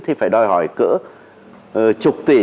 thì phải đòi hỏi cỡ chục tỷ